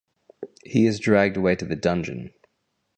He is dragged away to the dungeon.